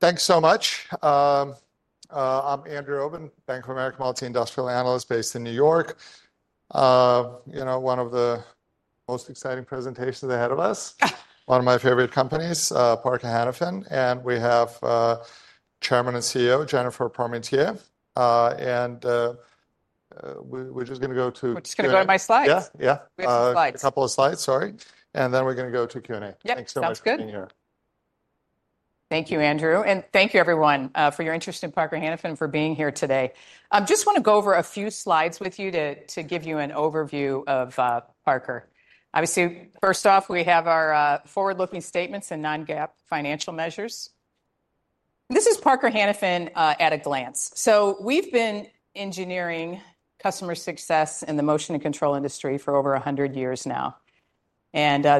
Thanks so much. I'm Andrew Obin, Bank of America Multi-Industrial Analyst based in New York. You know, one of the most exciting presentations ahead of us, one of my favorite companies, Parker Hannifin. And we have Chairman and CEO Jennifer Parmentier. We're just gonna go to. We're just gonna go to my slides. Yeah, yeah. We have the slides. A couple of slides, sorry. Then we're gonna go to Q&A. Yep. Thanks so much for being here. Thank you, Andrew. Thank you, everyone, for your interest in Parker-Hannifin and for being here today. I just wanna go over a few slides with you to give you an overview of Parker. Obviously, first off, we have our forward-looking statements and non-GAAP financial measures. This is Parker-Hannifin, at a glance. We have been engineering customer success in the motion and control industry for over 100 years now.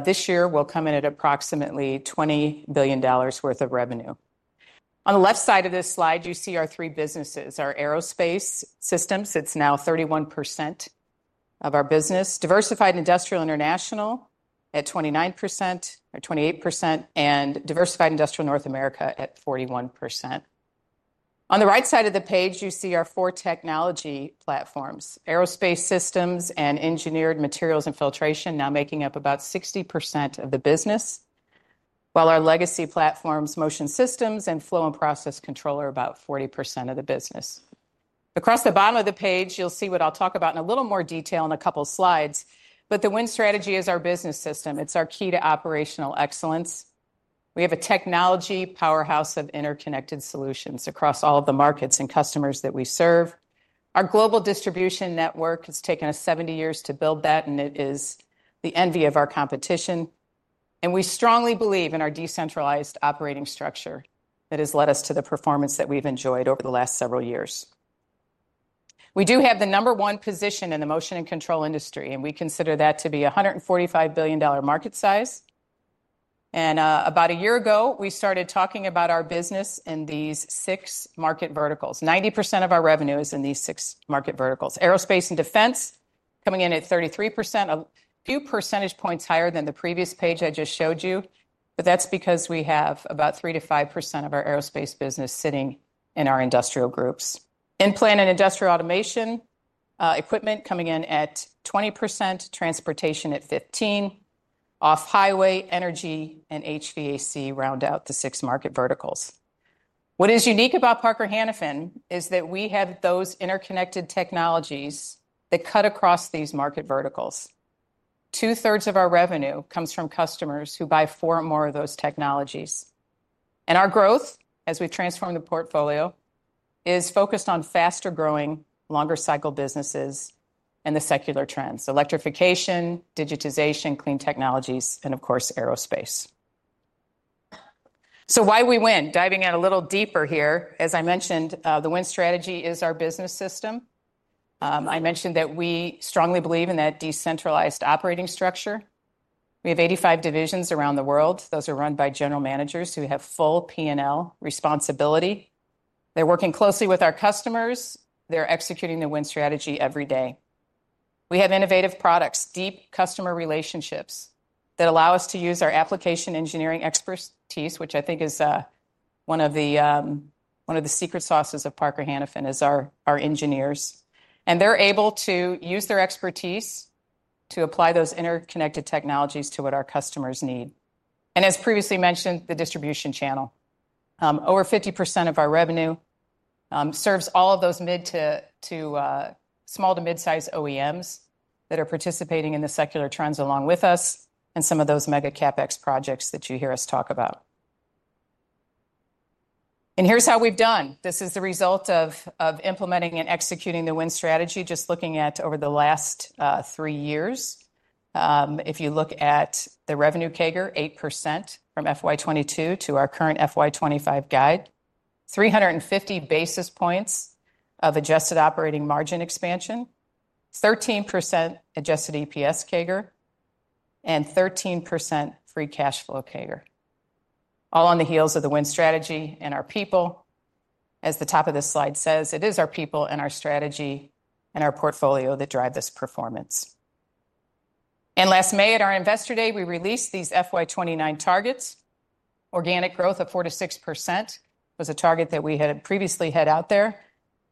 This year will come in at approximately $20 billion worth of revenue. On the left side of this slide, you see our three businesses: our Aerospace Systems, it's now 31% of our business; Diversified Industrial International at 29% or 28%; and Diversified Industrial North America at 41%. On the right side of the page, you see our four technology platforms: Aerospace Systems and engineered materials and filtration, now making up about 60% of the business, while our legacy platforms, Motion Systems and Flow&Process Controller, about 40% of the business. Across the bottom of the page, you'll see what I'll talk about in a little more detail in a couple of slides. The Win Strategy is our business system. It's our key to operational excellence. We have a technology powerhouse of interconnected solutions across all of the markets and customers that we serve. Our global distribution network has taken us 70 years to build that, and it is the envy of our competition. We strongly believe in our decentralized operating structure that has led us to the performance that we've enjoyed over the last several years. We do have the number one position in the motion and control industry, and we consider that to be a $145 billion market size. About a year ago, we started talking about our business in these six market verticals. 90% of our revenue is in these six market verticals: aerospace and defense, coming in at 33%, a few percentage points higher than the previous page I just showed you. That is because we have about 3-5% of our aerospace business sitting in our industrial groups. In plant and industrial automation, equipment coming in at 20%, transportation at 15%, off-highway, energy, and HVAC round out the six market verticals. What is unique about Parker Hannifin is that we have those interconnected technologies that cut across these market verticals. Two-thirds of our revenue comes from customers who buy four or more of those technologies. Our growth, as we transform the portfolio, is focused on faster-growing, longer-cycle businesses and the secular trends: electrification, digitization, clean technologies, and of course, aerospace. Why we win? Diving in a little deeper here, as I mentioned, the Win Strategy is our business system. I mentioned that we strongly believe in that decentralized operating structure. We have 85 divisions around the world. Those are run by general managers who have full P&L responsibility. They're working closely with our customers. They're executing the Win Strategy every day. We have innovative products, deep customer relationships that allow us to use our application engineering expertise, which I think is, one of the, one of the secret sauces of Parker Hannifin, is our, our engineers. They're able to use their expertise to apply those interconnected technologies to what our customers need. As previously mentioned, the distribution channel. Over 50% of our revenue serves all of those small to mid-size OEMs that are participating in the secular trends along with us and some of those mega capex projects that you hear us talk about. Here is how we have done. This is the result of implementing and executing the Win Strategy, just looking at over the last three years. If you look at the revenue CAGR, 8% from FY2022 to our current FY2025 guide, 350 basis points of adjusted operating margin expansion, 13% adjusted EPS CAGR, and 13% free cash flow CAGR. All on the heels of the Win Strategy and our people. As the top of this slide says, it is our people and our strategy and our portfolio that drive this performance. Last May, at our investor day, we released these FY2029 targets. Organic growth of 4-6% was a target that we had previously had out there,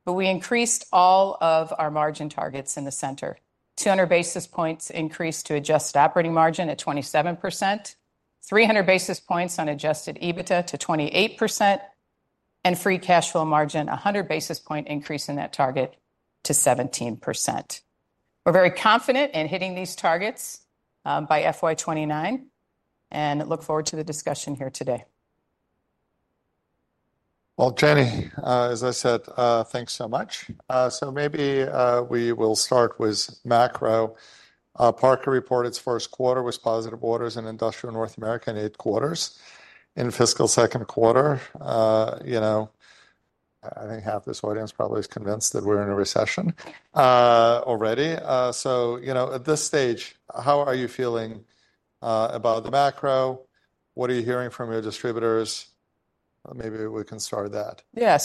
but we increased all of our margin targets in the center: 200 basis points increase to adjusted operating margin at 27%, 300 basis points on adjusted EBITDA to 28%, and free cash flow margin, a 100 basis point increase in that target to 17%. We're very confident in hitting these targets, by FY2029 and look forward to the discussion here today. Jenny, as I said, thanks so much. Maybe we will start with macro. Parker reported its first quarter was positive orders in Industrial North America and eight quarters in fiscal second quarter. You know, I think half this audience probably is convinced that we're in a recession already. You know, at this stage, how are you feeling about the macro? What are you hearing from your distributors? Maybe we can start that. Yeah.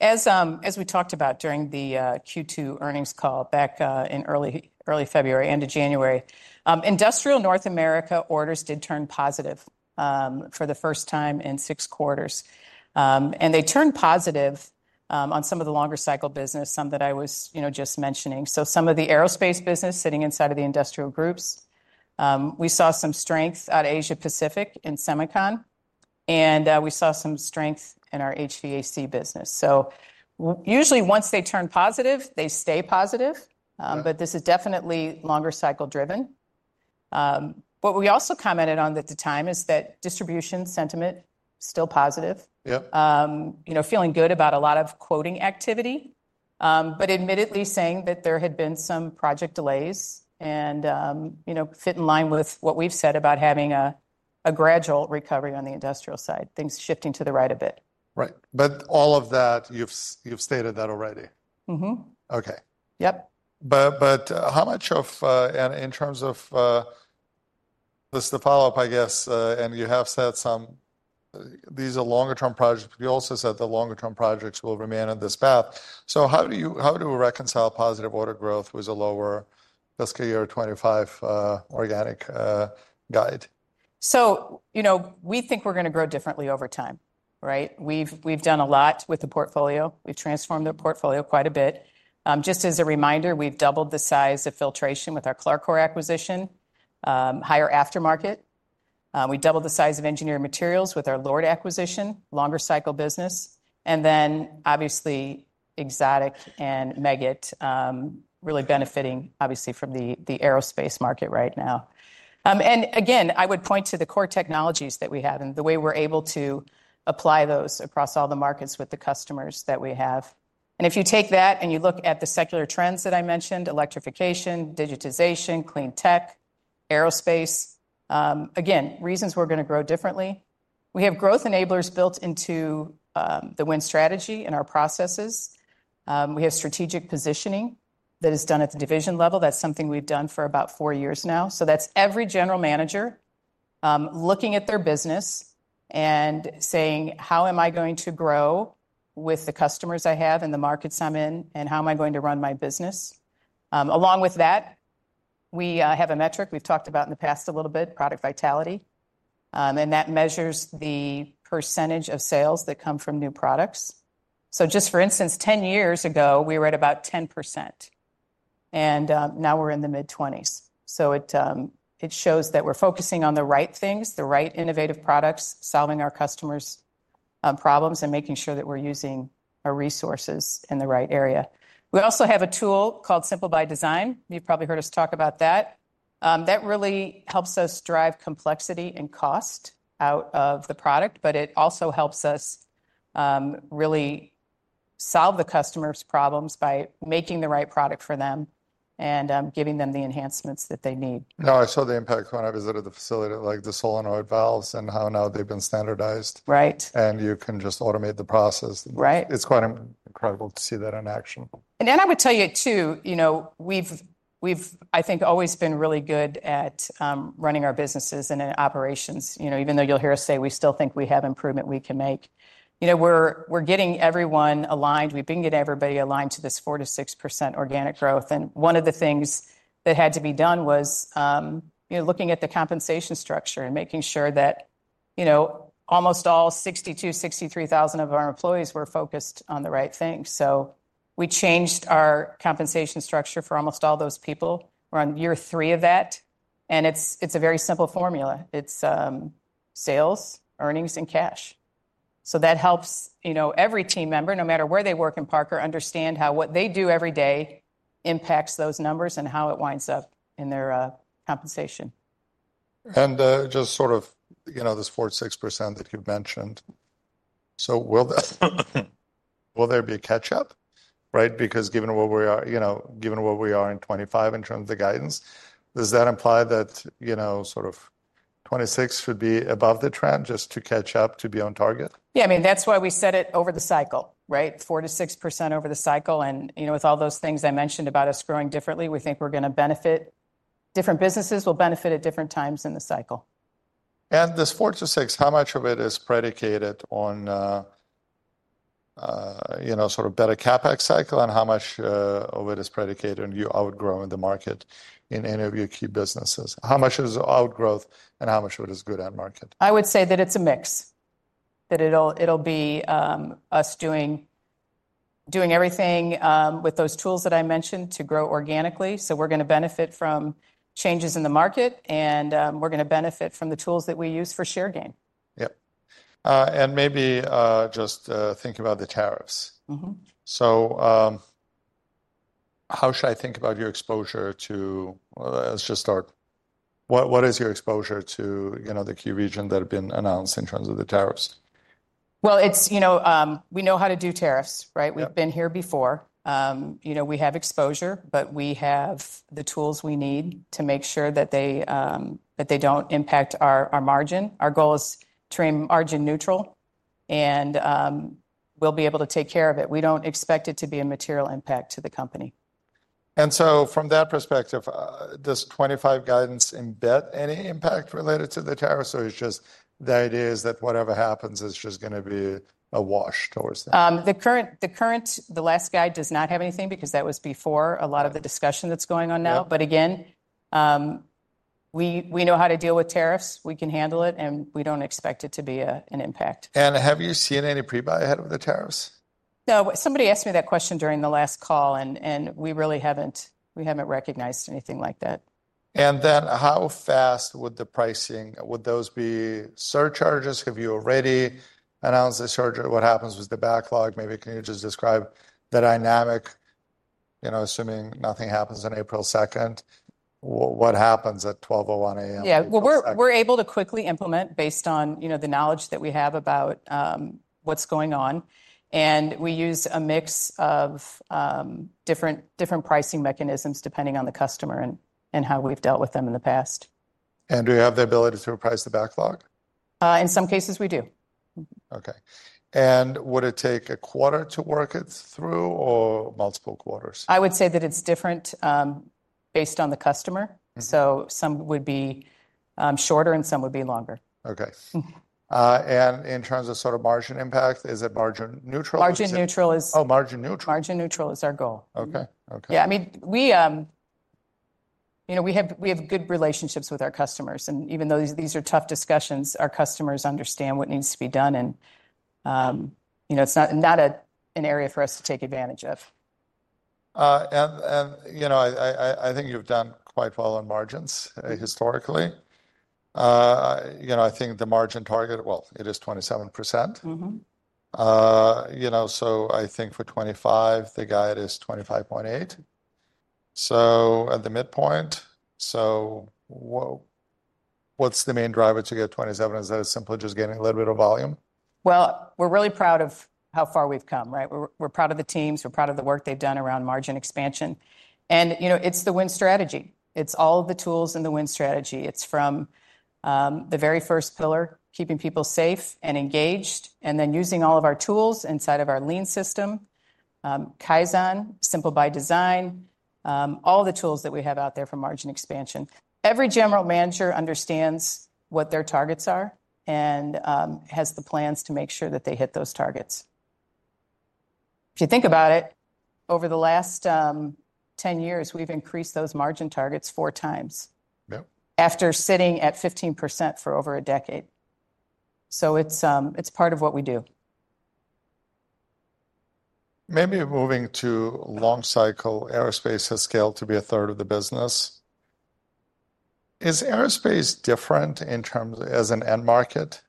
As we talked about during the Q2 earnings call back in early February and in January, Industrial North America orders did turn positive for the first time in six quarters. They turned positive on some of the longer-cycle business, some that I was, you know, just mentioning. Some of the aerospace business sitting inside of the industrial groups, we saw some strength out of Asia Pacific in Semicon, and we saw some strength in our HVAC business. Usually once they turn positive, they stay positive. This is definitely longer-cycle driven. What we also commented on at the time is that distribution sentiment is still positive. Yep. you know, feeling good about a lot of quoting activity, but admittedly saying that there had been some project delays and, you know, fit in line with what we've said about having a, a gradual recovery on the industrial side, things shifting to the right a bit. Right. All of that, you've stated that already. Mm-hmm. Okay. Yep. How much of, and in terms of, this, the follow-up, I guess, and you have said some, these are longer-term projects, but you also said the longer-term projects will remain on this path. So how do you, how do we reconcile positive order growth with a lower fiscal year 2025, organic, guide? You know, we think we're gonna grow differently over time, right? We've done a lot with the portfolio. We've transformed the portfolio quite a bit. Just as a reminder, we've doubled the size of filtration with our Clarcor acquisition, higher aftermarket. We doubled the size of engineered materials with our LORD acquisition, longer-cycle business, and then obviously Exotic and Meggitt, really benefiting obviously from the aerospace market right now. I would point to the core technologies that we have and the way we're able to apply those across all the markets with the customers that we have. If you take that and you look at the secular trends that I mentioned, electrification, digitization, clean tech, aerospace, again, reasons we're gonna grow differently. We have growth enablers built into the Win Strategy and our processes. We have strategic positioning that is done at the division level. That's something we've done for about four years now. That's every general manager looking at their business and saying, how am I going to grow with the customers I have and the markets I'm in, and how am I going to run my business? Along with that, we have a metric we've talked about in the past a little bit, product vitality. That measures the percentage of sales that come from new products. Just for instance, 10 years ago, we were at about 10%, and now we're in the mid-twenties. It shows that we're focusing on the right things, the right innovative products, solving our customers' problems and making sure that we're using our resources in the right area. We also have a tool called Simple by Design. You've probably heard us talk about that. That really helps us drive complexity and cost out of the product, but it also helps us really solve the customer's problems by making the right product for them and giving them the enhancements that they need. No, I saw the impact when I visited the facility, like the solenoid valves and how now they've been standardized. Right. You can just automate the process. Right. It's quite incredible to see that in action. I would tell you too, you know, we've, we've, I think, always been really good at running our businesses and in operations. You know, even though you'll hear us say we still think we have improvement we can make, you know, we're, we're getting everyone aligned. We've been getting everybody aligned to this 4-6% organic growth. One of the things that had to be done was, you know, looking at the compensation structure and making sure that, you know, almost all 62,000-63,000 of our employees were focused on the right thing. We changed our compensation structure for almost all those people. We're on year three of that. It's a very simple formula. It's sales, earnings, and cash. That helps, you know, every team member, no matter where they work in Parker, understand how what they do every day impacts those numbers and how it winds up in their compensation. Just sort of, you know, this 4-6% that you've mentioned. Will there be a catch-up, right? Because given where we are, you know, given where we are in 2025 in terms of the guidance, does that imply that, you know, sort of 2026 should be above the trend just to catch up, to be on target? Yeah. I mean, that's why we set it over the cycle, right? 4-6% over the cycle. And, you know, with all those things I mentioned about us growing differently, we think we're gonna benefit, different businesses will benefit at different times in the cycle. This 4-6, how much of it is predicated on, you know, sort of better Capex cycle and how much of it is predicated on your outgrow in the market in any of your key businesses? How much is outgrowth and how much of it is good at market? I would say that it's a mix, that it'll be us doing everything with those tools that I mentioned to grow organically. We're gonna benefit from changes in the market and we're gonna benefit from the tools that we use for share gain. Yep. And maybe, just, think about the tariffs. Mm-hmm. How should I think about your exposure to, well, let's just start. What is your exposure to, you know, the key region that have been announced in terms of the tariffs? It's, you know, we know how to do tariffs, right? We've been here before. You know, we have exposure, but we have the tools we need to make sure that they don't impact our margin. Our goal is to remain margin neutral, and we'll be able to take care of it. We don't expect it to be a material impact to the company. From that perspective, does '25 guidance embed any impact related to the tariffs or is it just that whatever happens is just gonna be a wash towards that? The last guide does not have anything because that was before a lot of the discussion that's going on now. Again, we know how to deal with tariffs. We can handle it and we do not expect it to be an impact. Have you seen any prebuy ahead of the tariffs? No, somebody asked me that question during the last call and we really haven't, we haven't recognized anything like that. How fast would the pricing, would those be surcharges? Have you already announced the surcharge? What happens with the backlog? Maybe can you just describe the dynamic, you know, assuming nothing happens on April 2nd, what happens at 12:01 A.M.? Yeah. We're able to quickly implement based on, you know, the knowledge that we have about what's going on. And we use a mix of different, different pricing mechanisms depending on the customer and how we've dealt with them in the past. Do you have the ability to reprice the backlog? In some cases we do. Okay. Would it take a quarter to work it through or multiple quarters? I would say that it's different, based on the customer. Some would be shorter and some would be longer. Okay. And in terms of sort of margin impact, is it margin neutral? Margin neutral is. Oh, margin neutral. Margin neutral is our goal. Okay. Okay. Yeah. I mean, we, you know, we have, we have good relationships with our customers. Even though these, these are tough discussions, our customers understand what needs to be done. You know, it's not, not an area for us to take advantage of. And, you know, I think you've done quite well on margins historically. You know, I think the margin target, well, it is 27%. Mm-hmm. You know, so I think for 2025 the guide is 25.8. At the midpoint, so what, what's the main driver to get 27? Is that it's simply just getting a little bit of volume? We're really proud of how far we've come, right? We're proud of the teams. We're proud of the work they've done around margin expansion. You know, it's the win strategy. It's all of the tools in the win strategy. It's from the very first pillar, keeping people safe and engaged, and then using all of our tools inside of our lean system, Kaizen, Simple by Design, all the tools that we have out there for margin expansion. Every general manager understands what their targets are and has the plans to make sure that they hit those targets. If you think about it, over the last 10 years, we've increased those margin targets four times. Yep. After sitting at 15% for over a decade. It is part of what we do. Maybe moving to long cycle, aerospace has scaled to be a third of the business. Is aerospace different in terms of, as an end market,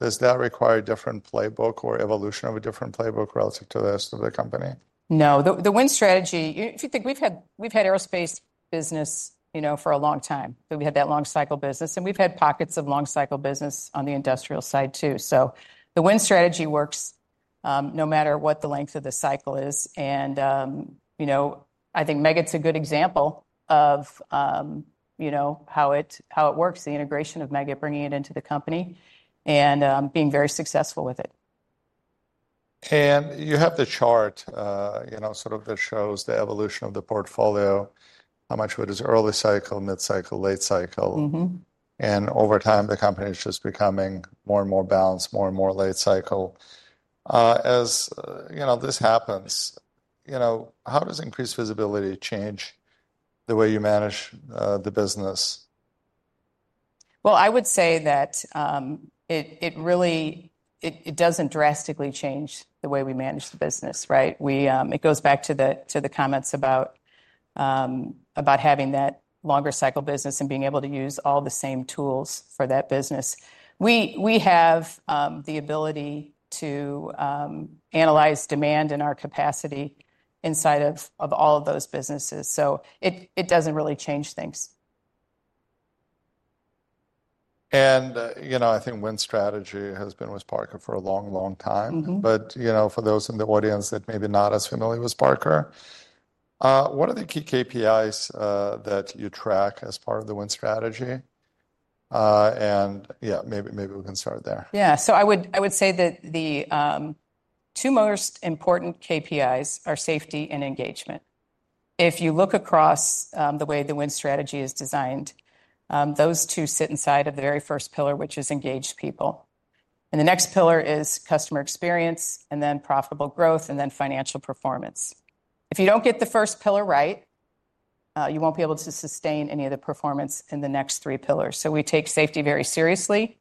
does that require a different playbook or evolution of a different playbook relative to the rest of the company? No, the Win Strategy, if you think we've had, we've had aerospace business, you know, for a long time. We've had that long cycle business and we've had pockets of long cycle business on the industrial side too. The Win Strategy works, no matter what the length of the cycle is. You know, I think Meggitt's a good example of, you know, how it works, the integration of Meggitt, bringing it into the company and being very successful with it. You have the chart, you know, sort of that shows the evolution of the portfolio, how much of it is early cycle, mid-cycle, late cycle. Mm-hmm. Over time the company is just becoming more and more balanced, more and more late cycle. As you know, this happens, you know, how does increased visibility change the way you manage the business? I would say that it really, it doesn't drastically change the way we manage the business, right? It goes back to the comments about having that longer cycle business and being able to use all the same tools for that business. We have the ability to analyze demand and our capacity inside of all of those businesses. So it doesn't really change things. You know, I think Win Strategy has been with Parker for a long, long time. Mm-hmm. You know, for those in the audience that may be not as familiar with Parker, what are the key KPIs that you track as part of the Win Strategy? Yeah, maybe we can start there. Yeah. I would say that the two most important KPIs are safety and engagement. If you look across the way the Win Strategy is designed, those two sit inside of the very first pillar, which is engaged people. The next pillar is customer experience and then profitable growth and then financial performance. If you do not get the first pillar right, you will not be able to sustain any of the performance in the next three pillars. We take safety very seriously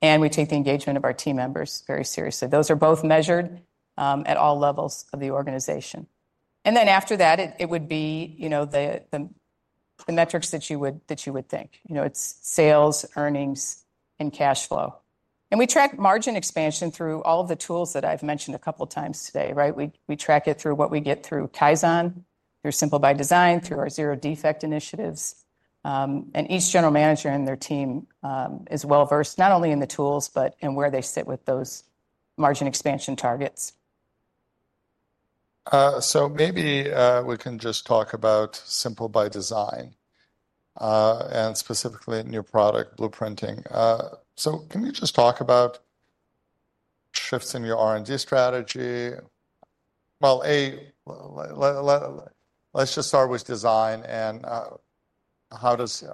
and we take the engagement of our team members very seriously. Those are both measured at all levels of the organization. After that, it would be, you know, the metrics that you would think, you know, it is sales, earnings, and cash flow. We track margin expansion through all of the tools that I've mentioned a couple of times today, right? We track it through what we get through Kaizen, through Simple by Design, through our zero defect initiatives. Each general manager and their team is well versed not only in the tools, but in where they sit with those margin expansion targets. Maybe we can just talk about Simple by Design, and specifically in your product blueprinting. Can you just talk about shifts in your R&D strategy? A, let's just start with design and, how does,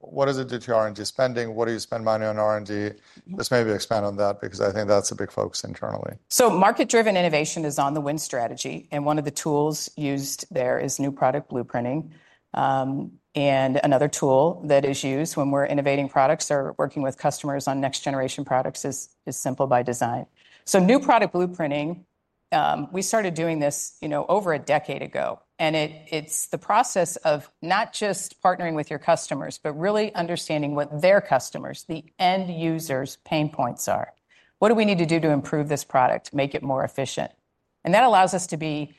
what does it do to your R&D spending? What do you spend money on R&D? Let's maybe expand on that because I think that's a big focus internally. Market-driven innovation is on the Win Strategy. One of the tools used there is New Product Blueprinting. Another tool that is used when we are innovating products or working with customers on next generation products is Simple by Design. New product blueprinting, we started doing this, you know, over a decade ago. It is the process of not just partnering with your customers, but really understanding what their customers, the end users' pain points are. What do we need to do to improve this product, make it more efficient? That allows us to be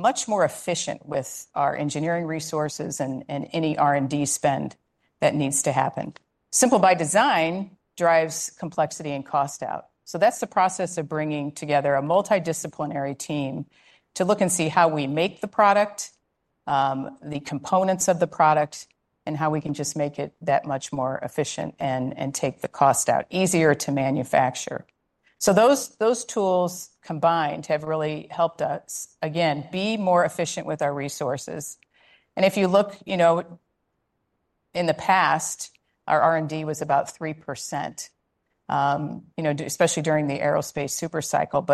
much more efficient with our engineering resources and any R&D spend that needs to happen. Simple by Design drives complexity and cost out. That's the process of bringing together a multidisciplinary team to look and see how we make the product, the components of the product, and how we can just make it that much more efficient and take the cost out, easier to manufacture. Those tools combined have really helped us, again, be more efficient with our resources. If you look, you know, in the past, our R&D was about 3%, you know, especially during the aerospace super cycle.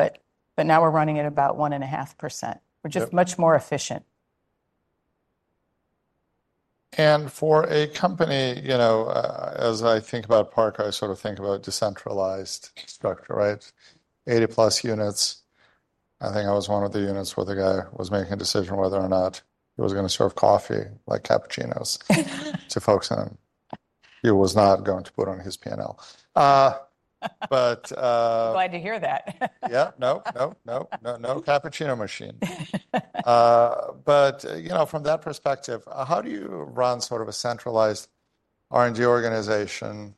Now we're running at about 1.5%. We're just much more efficient. For a company, you know, as I think about Parker, I sort of think about decentralized structure, right? Eighty plus units. I think I was one of the units where the guy was making a decision whether or not he was gonna serve coffee like cappuccinos to folks in. He was not going to put on his P&L, but, Glad to hear that. Yeah. No, no, no, no cappuccino machine. But, you know, from that perspective, how do you run sort of a centralized R&D organization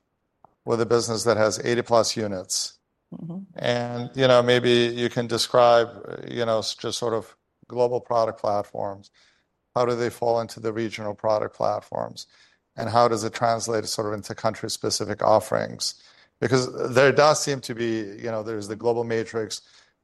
with a business that has 80+ units? Mm-hmm. You know, maybe you can describe, you know, just sort of global product platforms. How do they fall into the regional product platforms? How does it translate sort of into country-specific offerings? Because there does seem to be, you know, there's the global matrix,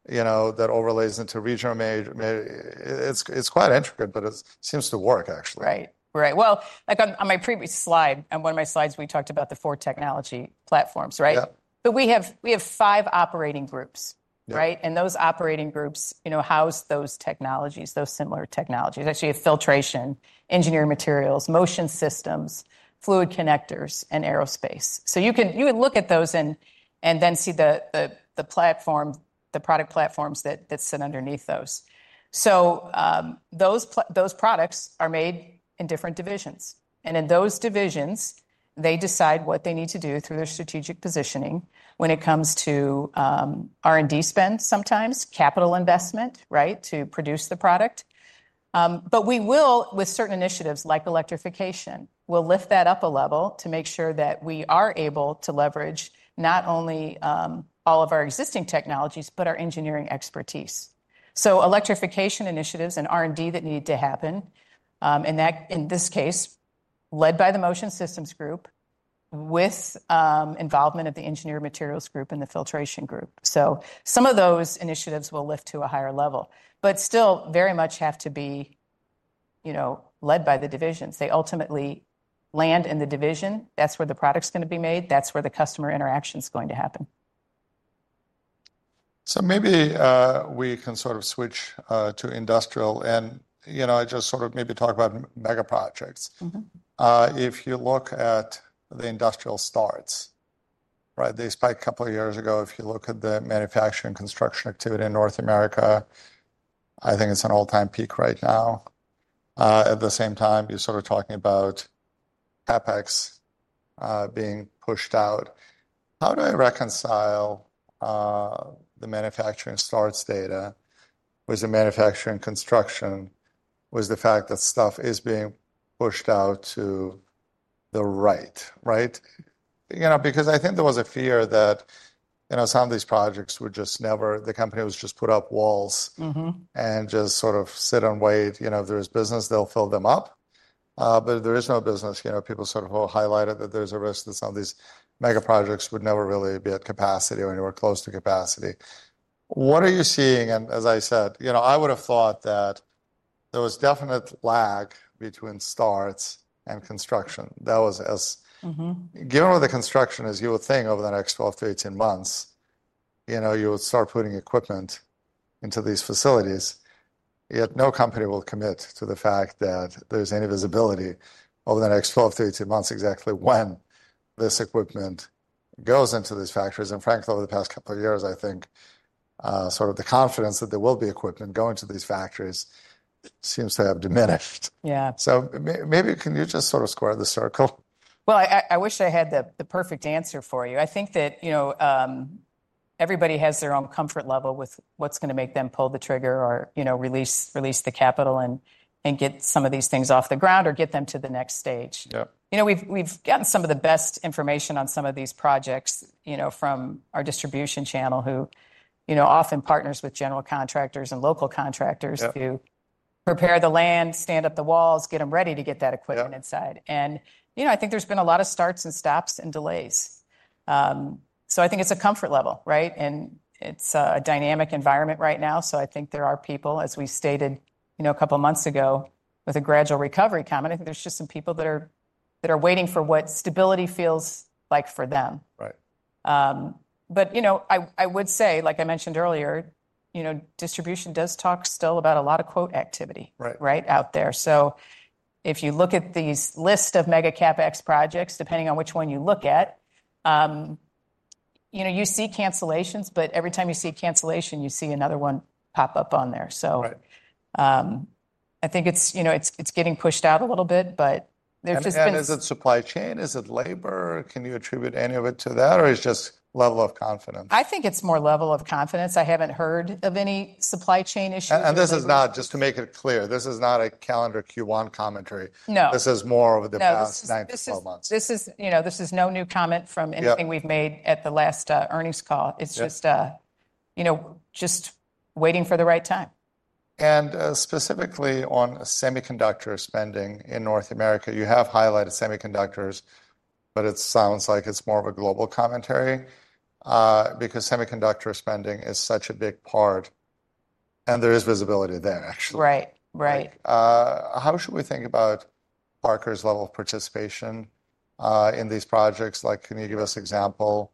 you know, that overlays into regional matrix. It's quite intricate, but it seems to work actually. Right. Right. Like on my previous slide, on one of my slides, we talked about the four technology platforms, right? Yeah. We have five operating groups, right? And those operating groups, you know, house those technologies, those similar technologies. Actually, you have filtration, engineering materials, motion systems, fluid connectors, and aerospace. You can look at those and then see the platform, the product platforms that sit underneath those. Those products are made in different divisions. In those divisions, they decide what they need to do through their strategic positioning when it comes to R&D spend, sometimes capital investment, right, to produce the product. We will, with certain initiatives like electrification, lift that up a level to make sure that we are able to leverage not only all of our existing technologies, but our engineering expertise. Electrification initiatives and R&D that need to happen, and that in this case, led by the Motion Systems group with involvement of the Engineering Materials Group and the filtration group. Some of those initiatives will lift to a higher level, but still very much have to be, you know, led by the divisions. They ultimately land in the division. That's where the product's gonna be made. That's where the customer interaction's going to happen. Maybe we can sort of switch to industrial and, you know, I just sort of maybe talk about mega projects. Mm-hmm. If you look at the industrial starts, right? They spike a couple of years ago. If you look at the manufacturing construction activity in North America, I think it's an all-time peak right now. At the same time, you're sort of talking about Capex being pushed out. How do I reconcile the manufacturing starts data with the manufacturing construction with the fact that stuff is being pushed out to the right, right? You know, because I think there was a fear that, you know, some of these projects would just never, the company would just put up walls. Mm-hmm. Just sort of sit and wait. You know, if there's business, they'll fill them up. But if there is no business, you know, people sort of will highlight it that there's a risk that some of these mega projects would never really be at capacity or anywhere close to capacity. What are you seeing? As I said, you know, I would've thought that there was definite lag between starts and construction. That was as. Mm-hmm. Given what the construction is, you would think over the next 12-18 months, you know, you would start putting equipment into these facilities. Yet no company will commit to the fact that there's any visibility over the next 12-18 months exactly when this equipment goes into these factories. Frankly, over the past couple of years, I think, sort of the confidence that there will be equipment going to these factories seems to have diminished. Yeah. Maybe can you just sort of square the circle? I wish I had the, the perfect answer for you. I think that, you know, everybody has their own comfort level with what's gonna make them pull the trigger or, you know, release, release the capital and get some of these things off the ground or get them to the next stage. Yeah. You know, we've gotten some of the best information on some of these projects, you know, from our distribution channel who, you know, often partners with general contractors and local contractors to prepare the land, stand up the walls, get 'em ready to get that equipment inside. You know, I think there's been a lot of starts and stops and delays. I think it's a comfort level, right? It's a dynamic environment right now. I think there are people, as we stated, you know, a couple of months ago with a gradual recovery coming. I think there's just some people that are waiting for what stability feels like for them. Right. But, you know, I would say, like I mentioned earlier, you know, distribution does talk still about a lot of quote activity. Right. Right out there. If you look at these list of mega Capex projects, depending on which one you look at, you know, you see cancellations, but every time you see a cancellation, you see another one pop up on there. Right. I think it's, you know, it's getting pushed out a little bit, but there's just been. Is it supply chain? Is it labor? Can you attribute any of it to that or it's just level of confidence? I think it's more level of confidence. I haven't heard of any supply chain issues. This is not, just to make it clear, this is not a calendar Q1 commentary. No. This is more over the past 9-12 months. No, this is, you know, this is no new comment from anything we've made at the last earnings call. It's just, you know, just waiting for the right time. Specifically on semiconductor spending in North America, you have highlighted semiconductors, but it sounds like it is more of a global commentary, because semiconductor spending is such a big part and there is visibility there actually. Right. Right. How should we think about Parker's level of participation in these projects? Like, can you give us an example?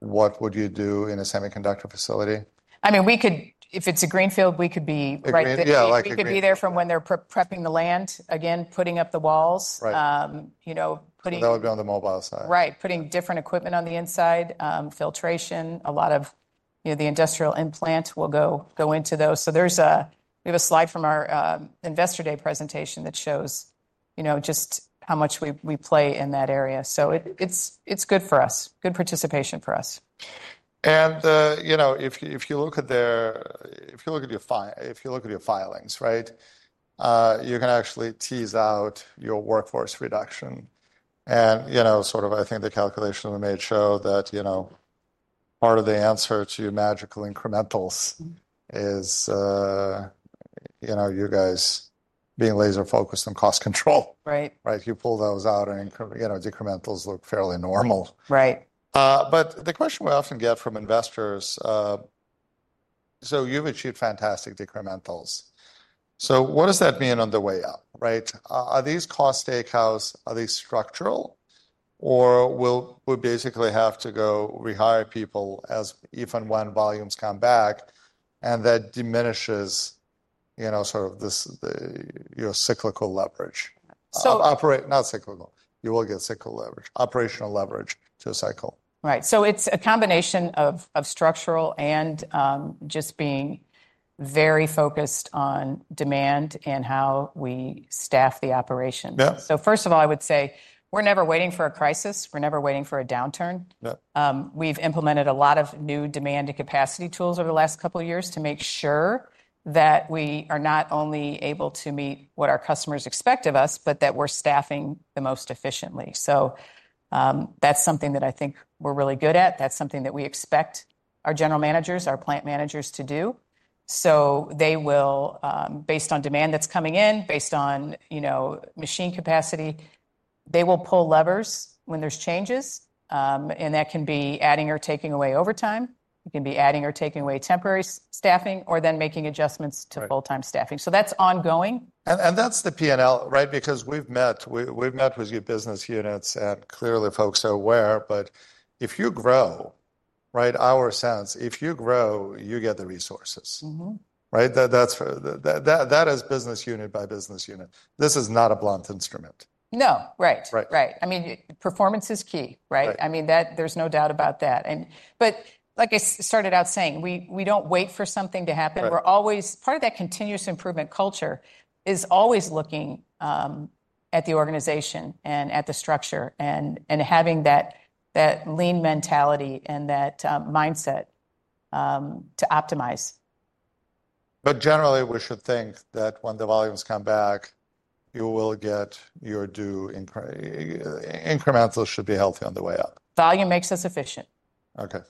What would you do in a semiconductor facility? I mean, we could, if it's a greenfield, we could be right there. Yeah. Like. We could be there from when they're pre-prepping the land, again, putting up the walls. Right. you know, putting. That would be on the mobile side. Right. Putting different equipment on the inside, filtration, a lot of, you know, the industrial implant will go into those. There is a, we have a slide from our investor day presentation that shows, you know, just how much we play in that area. It is good for us, good participation for us. You know, if you look at your file, if you look at your filings, right, you can actually tease out your workforce reduction. You know, sort of, I think the calculation we made show that, you know, part of the answer to your magical incrementals is, you know, you guys being laser focused on cost control. Right. Right. You pull those out and, you know, decrementals look fairly normal. Right. The question we often get from investors, you have achieved fantastic decrementals. What does that mean on the way up, right? Are these cost take-outs, are they structural, or will we basically have to go rehire people as even when volumes come back and that diminishes, you know, sort of this, your cyclical leverage? So. Operate, not cyclical. You will get cyclical leverage, operational leverage to a cycle. Right. It is a combination of structural and just being very focused on demand and how we staff the operations. Yeah. First of all, I would say we're never waiting for a crisis. We're never waiting for a downturn. Yeah. We've implemented a lot of new demand and capacity tools over the last couple of years to make sure that we are not only able to meet what our customers expect of us, but that we're staffing the most efficiently. That's something that I think we're really good at. That's something that we expect our general managers, our plant managers to do. They will, based on demand that's coming in, based on, you know, machine capacity, pull levers when there's changes. That can be adding or taking away overtime. It can be adding or taking away temporary staffing or then making adjustments to full-time staffing. That's ongoing. That's the P&L, right? Because we've met with your business units and clearly folks are aware, but if you grow, our sense, if you grow, you get the resources. Mm-hmm. Right? That's business unit by business unit. This is not a blunt instrument. No. Right. Right. Right. I mean, performance is key, right? Right. I mean, there's no doubt about that. Like I started out saying, we don't wait for something to happen. Yeah. We're always, part of that continuous improvement culture is always looking at the organization and at the structure and having that lean mentality and that mindset to optimize. Generally we should think that when the volumes come back, you will get your due incrementals should be healthy on the way up. Volume makes us efficient. Okay.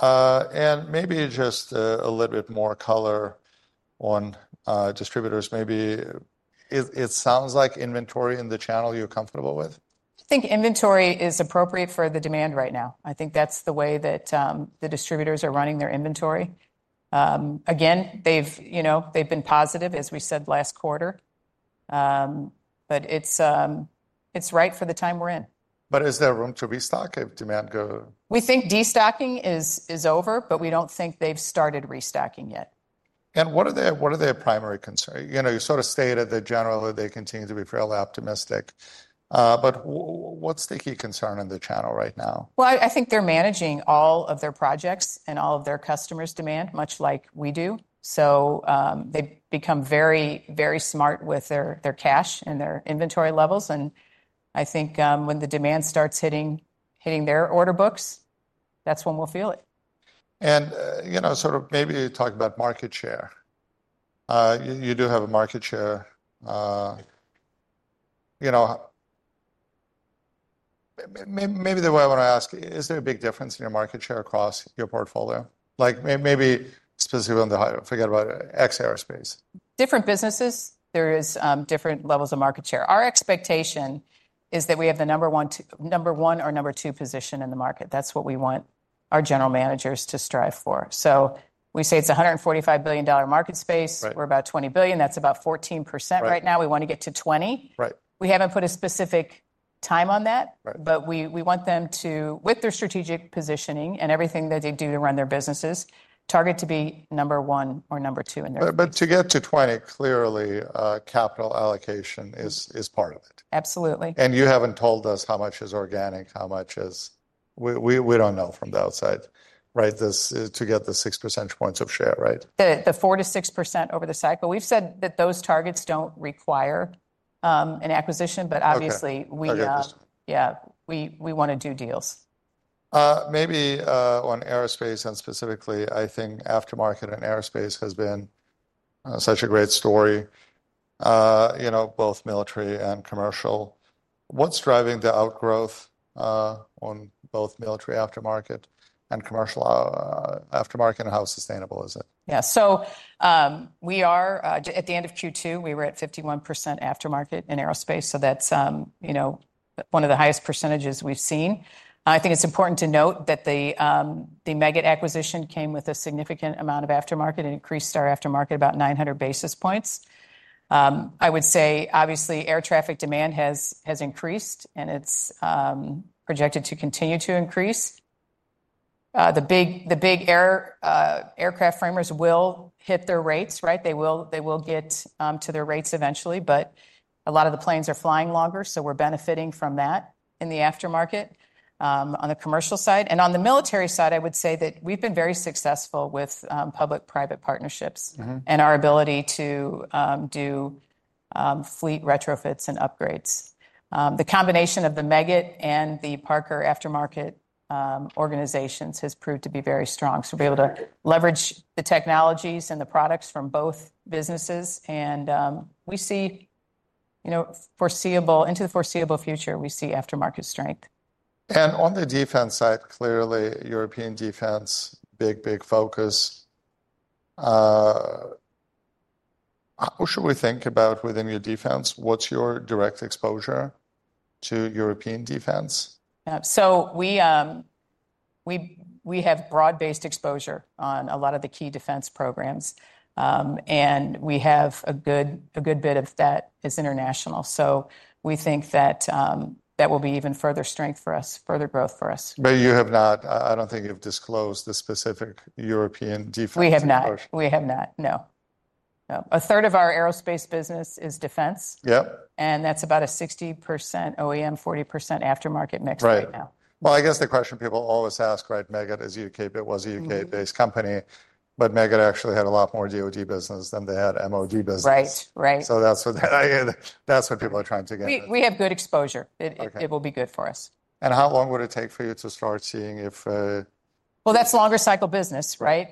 Maybe just a little bit more color on distributors. Maybe it sounds like inventory in the channel you're comfortable with? I think inventory is appropriate for the demand right now. I think that's the way that the distributors are running their inventory. Again, they've, you know, they've been positive, as we said last quarter. It's right for the time we're in. Is there room to restock if demand go? We think destocking is over, but we do not think they have started restocking yet. What are their, what are their primary concerns? You know, you sort of stated that generally they continue to be fairly optimistic. What is the key concern in the channel right now? I think they're managing all of their projects and all of their customers' demand, much like we do. They've become very, very smart with their cash and their inventory levels. I think, when the demand starts hitting their order books, that's when we'll feel it. You know, sort of maybe you talk about market share. You, you do have a market share. You know, maybe the way I wanna ask, is there a big difference in your market share across your portfolio? Like maybe specifically on the high, forget about X aerospace. Different businesses, there is different levels of market share. Our expectation is that we have the number one, number one or number two position in the market. That's what we want our general managers to strive for. We say it's a $145 billion market space. Right. We're about $20 billion. That's about 14% right now. Right. We wanna get to 20. Right. We haven't put a specific time on that. Right. We want them to, with their strategic positioning and everything that they do to run their businesses, target to be number one or number two in their business. To get to 20, clearly, capital allocation is part of it. Absolutely. You haven't told us how much is organic, how much is, we don't know from the outside, right? This is to get the 6 percentage points of share, right? The 4-6% over the cycle. We've said that those targets don't require an acquisition, but obviously we, Yeah. Yeah. We wanna do deals. Maybe, on aerospace and specifically, I think aftermarket and aerospace has been such a great story. You know, both military and commercial. What's driving the outgrowth on both military aftermarket and commercial aftermarket, and how sustainable is it? Yeah. We are, at the end of Q2, we were at 51% aftermarket in aerospace. That's, you know, one of the highest percentages we've seen. I think it's important to note that the Meggitt acquisition came with a significant amount of aftermarket. It increased our aftermarket about 900 basis points. I would say obviously air traffic demand has increased and it's projected to continue to increase. The big air, aircraft framers will hit their rates, right? They will get to their rates eventually, but a lot of the planes are flying longer, so we're benefiting from that in the aftermarket, on the commercial side. On the military side, I would say that we've been very successful with public-private partnerships. Mm-hmm. Our ability to do fleet retrofits and upgrades, the combination of the Meggitt and the Parker aftermarket organizations has proved to be very strong. We are able to leverage the technologies and the products from both businesses. You know, foreseeable, into the foreseeable future, we see aftermarket strength. On the defense side, clearly European defense, big, big focus. Who should we think about within your defense? What's your direct exposure to European defense? Yeah. We have broad-based exposure on a lot of the key defense programs, and we have a good bit of that is international. We think that will be even further strength for us, further growth for us. I don't think you've disclosed the specific European defense exposure. We have not. We have not. No. No. A third of our aerospace business is defense. Yep. That's about a 60% OEM, 40% aftermarket mix right now. Right. I guess the question people always ask, right? Meggitt is U.K., but it was a U.K.-based company. Meggitt actually had a lot more DOD business than they had MOD business. Right. Right. That's what I, that's what people are trying to get at. We have good exposure. Okay. It will be good for us. How long would it take for you to start seeing if, That's longer cycle business, right?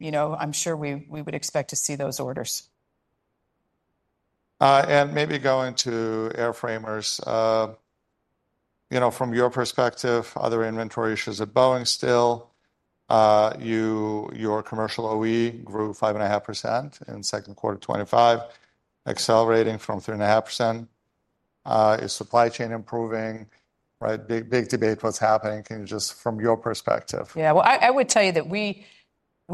You know, I'm sure we would expect to see those orders. Maybe going to air framers, you know, from your perspective, are there inventory issues at Boeing still? Your commercial OE grew 5.5% in second quarter 2025, accelerating from 3.5%. Is supply chain improving, right? Big, big debate what's happening. Can you just, from your perspective? Yeah. I would tell you that we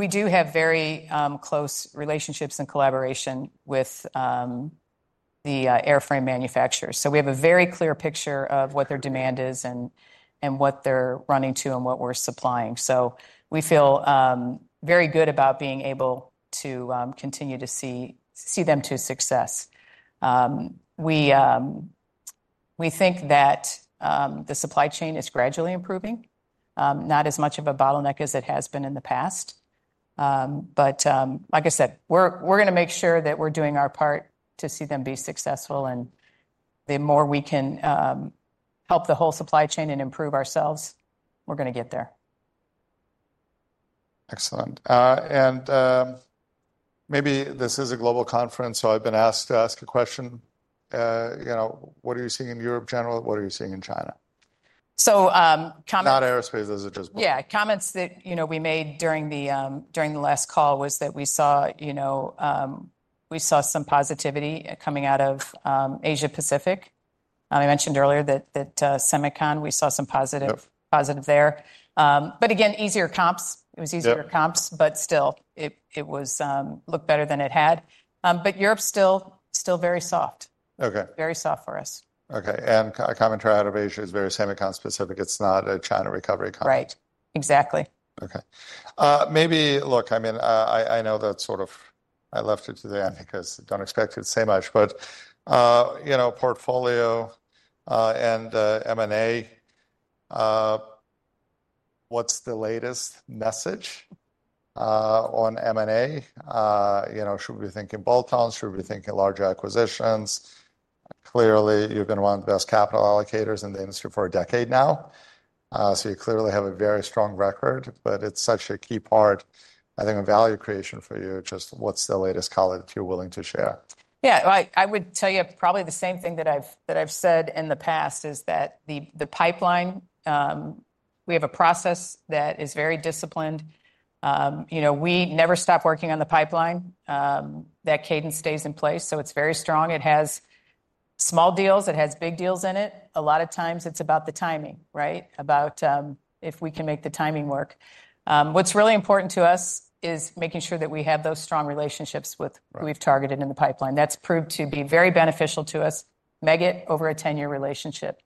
do have very close relationships and collaboration with the airframe manufacturers. We have a very clear picture of what their demand is and what they're running to and what we're supplying. We feel very good about being able to continue to see them to success. We think that the supply chain is gradually improving, not as much of a bottleneck as it has been in the past. Like I said, we're going to make sure that we're doing our part to see them be successful. The more we can help the whole supply chain and improve ourselves, we're going to get there. Excellent. And, maybe this is a global conference, so I've been asked to ask a question. You know, what are you seeing in Europe generally? What are you seeing in China? So, comments. Not aerospace, this is just. Yeah. Comments that, you know, we made during the, during the last call was that we saw, you know, we saw some positivity coming out of Asia Pacific. I mentioned earlier that, that, Semicon, we saw some positive. Yep. Positive there, but again, easier comps. It was easier comps, but still, it was, looked better than it had. Europe's still, still very soft. Okay. Very soft for us. Okay. A commentary out of Asia is very Semicon specific. It's not a China recovery company. Right. Exactly. Okay. Maybe look, I mean, I know that sort of I left it to Dan because I do not expect you to say much, but, you know, portfolio, and M&A, what is the latest message on M&A? You know, should we be thinking bolt-ons, should we be thinking larger acquisitions? Clearly you have been one of the best capital allocators in the industry for a decade now. So you clearly have a very strong record, but it is such a key part, I think, of value creation for you. Just what is the latest color that you are willing to share? Yeah. I would tell you probably the same thing that I've said in the past is that the pipeline, we have a process that is very disciplined. You know, we never stop working on the pipeline. That cadence stays in place. So it's very strong. It has small deals. It has big deals in it. A lot of times it's about the timing, right? About if we can make the timing work. What's really important to us is making sure that we have those strong relationships with who we've targeted in the pipeline. That's proved to be very beneficial to us. Meggitt, over a 10-year relationship,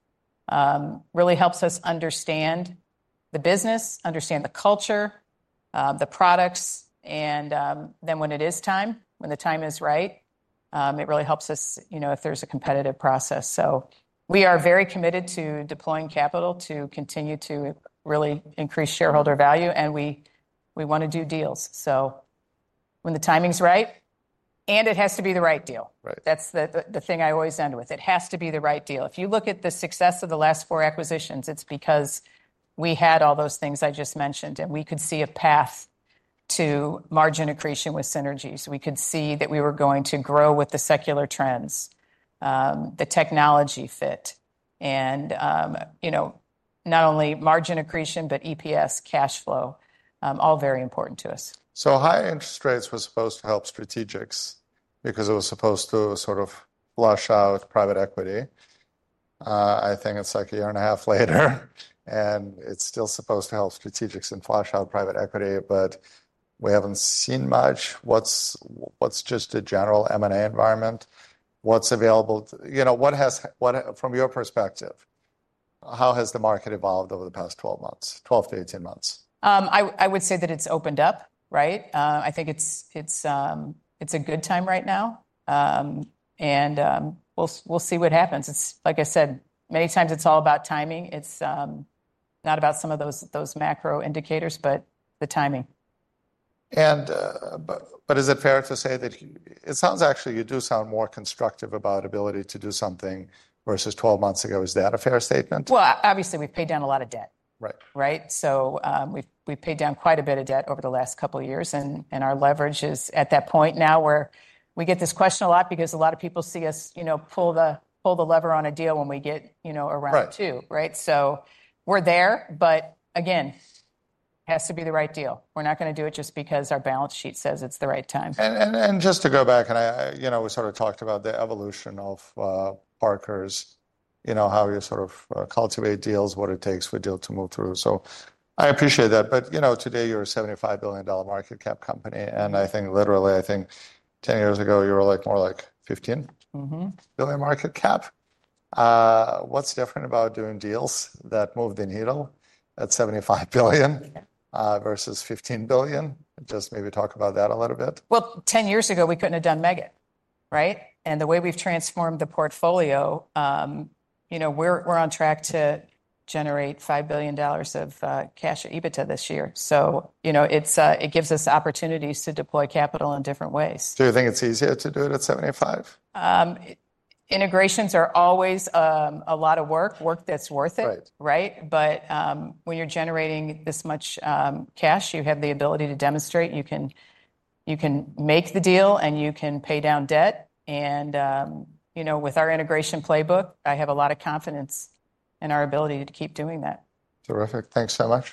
really helps us understand the business, understand the culture, the products. Then when it is time, when the time is right, it really helps us, you know, if there's a competitive process. We are very committed to deploying capital to continue to really increase shareholder value. We want to do deals. When the timing is right, and it has to be the right deal. Right. That's the thing I always end with. It has to be the right deal. If you look at the success of the last four acquisitions, it's because we had all those things I just mentioned and we could see a path to margin accretion with synergies. We could see that we were going to grow with the secular trends, the technology fit, and, you know, not only margin accretion, but EPS, cash flow, all very important to us. High interest rates were supposed to help strategics because it was supposed to sort of flush out private equity. I think it's like a year and a half later and it's still supposed to help strategics and flush out private equity, but we haven't seen much. What's just a general M&A environment? What's available? You know, from your perspective, how has the market evolved over the past 12 months, 12-18 months? I would say that it's opened up, right? I think it's a good time right now, and we'll see what happens. It's, like I said many times, it's all about timing. It's not about some of those macro indicators, but the timing. Is it fair to say that it sounds, actually, you do sound more constructive about ability to do something versus 12 months ago? Is that a fair statement? Obviously we've paid down a lot of debt. Right. Right? We have paid down quite a bit of debt over the last couple of years. Our leverage is at that point now where we get this question a lot because a lot of people see us, you know, pull the lever on a deal when we get, you know, around two. Right. Right? We're there, but again, it has to be the right deal. We're not gonna do it just because our balance sheet says it's the right time. And just to go back, I, you know, we sort of talked about the evolution of Parker's, you know, how you sort of cultivate deals, what it takes for a deal to move through. I appreciate that. You know, today you're a $75 billion market cap company. I think literally, I think 10 years ago you were more like $15 billion market cap. What's different about doing deals that moved the needle at $75 billion versus $15 billion? Just maybe talk about that a little bit. Ten years ago we couldn't have done Meggitt, right? And the way we've transformed the portfolio, you know, we're on track to generate $5 billion of cash at EBITDA this year. You know, it gives us opportunities to deploy capital in different ways. Do you think it's easier to do it at 75? Integrations are always a lot of work, work that's worth it. Right. Right? When you're generating this much cash, you have the ability to demonstrate you can make the deal and you can pay down debt. You know, with our integration playbook, I have a lot of confidence in our ability to keep doing that. Terrific. Thanks so much.